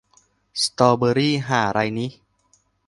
สตรอว์เบอรี่ห่าไรนิ